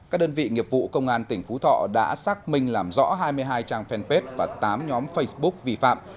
các đơn vị nghiệp vụ công an tỉnh phú thọ đã xác minh làm rõ hai mươi hai trang fanpage và tám nhóm facebook vi phạm